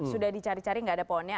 sudah dicari cari nggak ada pohonnya